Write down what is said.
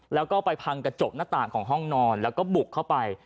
แล้วก็ไปพังกระจกหน้าต่างของห้องนอนแล้วก็บุกเข้าไป